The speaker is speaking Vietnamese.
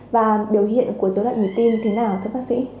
và biểu hiện của dối loạn nhịp tim như thế nào thưa bác sĩ